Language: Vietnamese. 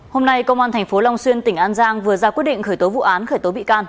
hôm nay công an tp long xuyên tỉnh an giang vừa ra quyết định khởi tố vụ án khởi tố bị can